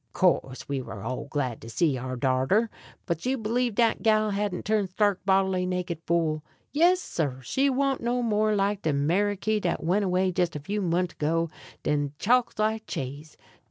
Course we war all glad to see our darter. But you b'l'eve dat gal hadn't turned stark bodily naked fool? Yes, sir; she wa'n't no more like de Meriky dat went away jes' a few munts ago dan chalk's like cheese.